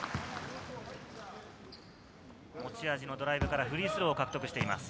持ち味のドライブからフリースローを獲得しています。